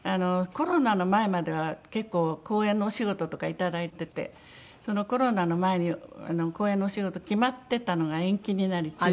コロナの前までは結構講演のお仕事とかいただいててコロナの前に講演のお仕事決まってたのが延期になり中止に。